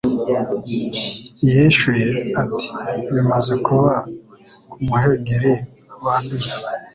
Yishuye ati Bimaze kuba ku muhengeri wanduye